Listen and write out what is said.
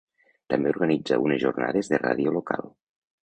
També organitza unes Jornades de Ràdio Local.